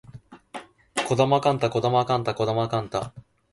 児玉幹太児玉幹太児玉幹太